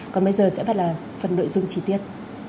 còn bây giờ sẽ là phần nội dung trí tiết